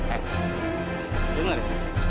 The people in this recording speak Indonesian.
eh jangan rizky